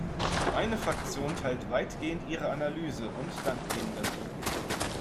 Meine Fraktion teilt weitgehend Ihre Analyse und dankt Ihnen dafür.